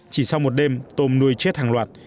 chỉ sau một đêm tôm nuôi chết hàng loạt